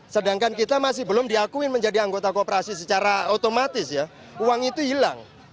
sedangkan kita masih belum diakui menjadi anggota kooperasi secara otomatis ya uang itu hilang